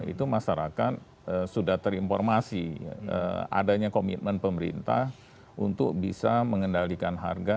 itu masyarakat sudah terinformasi adanya komitmen pemerintah untuk bisa mengendalikan harga